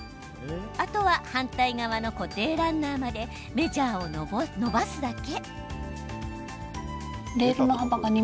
あとは反対側の固定ランナーまでメジャーをのばすだけ。